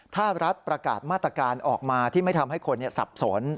ถ้ารัฐประกาศมาตรการออกมาที่ไม่ทำให้คนสับสน